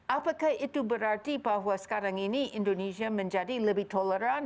apakah itu berarti bahwa sekarang ini indonesia menjadi lebih toleran